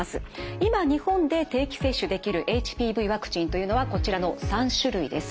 今日本で定期接種できるＨＰＶワクチンというのはこちらの３種類です。